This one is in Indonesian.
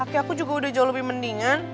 oke aku juga udah jauh lebih mendingan